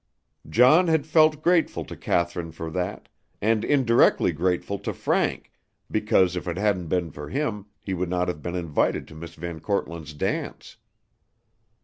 John had felt grateful to Kathryn for that, and indirectly grateful to Frank because if it hadn't been for him he would not have been invited to Miss VanKortland's dance.